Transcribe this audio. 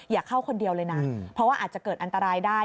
อย่าเข้าคนเดียวเลยนะเพราะว่าอาจจะเกิดอันตรายได้